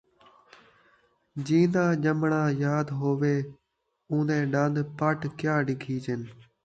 جین٘دا ڄمݨا یاد ہووے ، اون٘دے ݙن٘د پٹ کیا ݙکھیجن